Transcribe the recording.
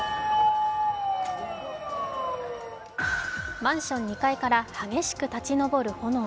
マンション２階から激しく立ち上る炎。